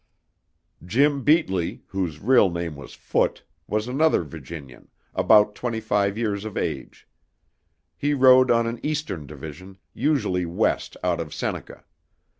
Jim Beatley, whose real name was Foote, was another Virginian, about twenty five years of age. He rode on an eastern division, usually west out of Seneca.